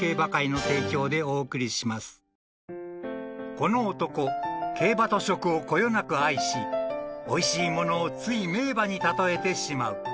［この男競馬と食をこよなく愛しおいしいものをつい名馬に例えてしまう］